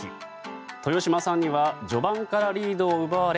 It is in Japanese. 豊島さんには序盤からリードを奪われ